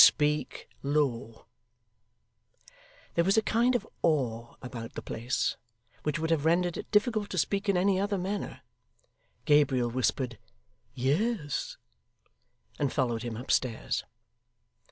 'Speak low.' There was a kind of awe about the place, which would have rendered it difficult to speak in any other manner. Gabriel whispered 'Yes,' and followed him upstairs.